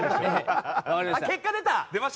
結果出た！